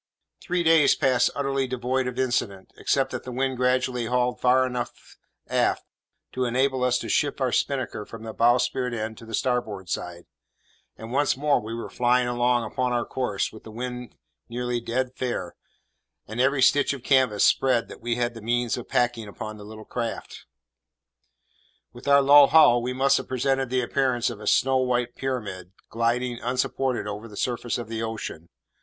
Three days passed utterly devoid of incident, except that the wind gradually hauled far enough aft to enable us to shift our spinnaker from the bowsprit end to the starboard side; and once more we were flying along upon our course with the wind nearly dead fair, and every stitch of canvas spread that we had the means of packing upon the little craft. With our low hull, we must have presented the appearance of a snow white pyramid, gliding, unsupported, over the surface of the ocean.